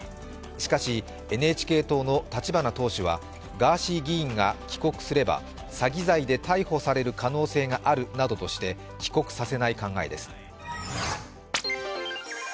しかし、ＮＨＫ党の立花党首はガーシー議員が帰国すれば詐欺罪で逮捕される可能性があるなどとして帰国させない考えです。